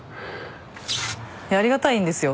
ありがたいんですよ。